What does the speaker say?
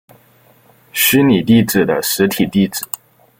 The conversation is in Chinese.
虚拟地址的实体地址。